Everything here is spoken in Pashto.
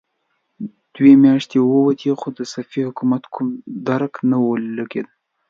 دوې مياشتې ووتې، خو د صفوي حکومت کوم درک ونه لګېد.